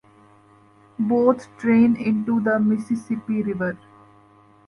Both drain into the Mississippi River.